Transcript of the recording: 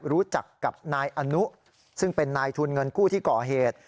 รู้จักกับนายอนุซึ่งเป็นนายทุนเงินกู้ที่ก่อเหตุ